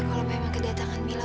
kalau memang kedatangan mila